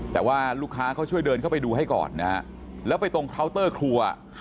แต่ว่าลูกค้าเขาช่วยเดินเข้าไปดูให้ก่อนนะฮะแล้วไปตรงเคาน์เตอร์ครัว